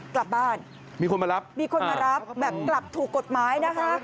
กลับบ้านมีคนมารับกลับถูกกฎหมายนะคะ